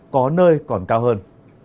có nơi còn cao hơn